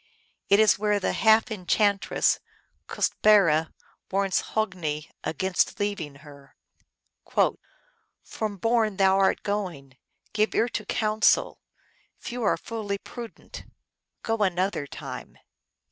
It is where the half en chantress Kostbera warns Hb gni against leaving her : THE THREE STRONG MEN. 321 " From borne thou art going : Give ear to counsel ; Few are fully prudent ; Go another time."